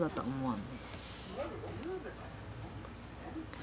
ん？